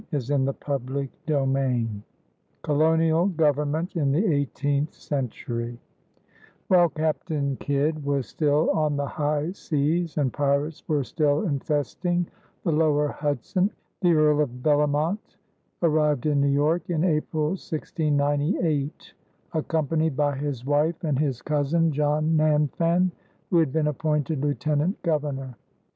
CHAPTER XI COLONIAL GOVERNMENT IN THE EIGHTEENTH CENTURY While Captain Kidd was still on the high seas and pirates were still infesting the lower Hudson, the Earl of Bellomont arrived in New York (in April, 1698), accompanied by his wife and his cousin, John Nanfan, who had been appointed Lieutenant Governor.